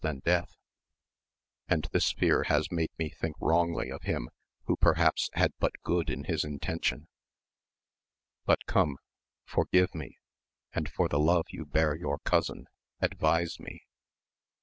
71 than death, and this fear has made me think wrongly of him who perhaps had but good in his intention : but come — forgive me — ^and for the love you bear your cousin advise me